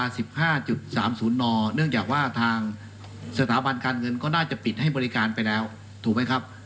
สถาบันการเงินก็น่าจะปิดให้บริการไปแล้วถูกไหมครับ